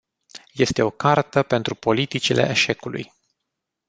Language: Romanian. Este o cartă pentru politicile eșecului.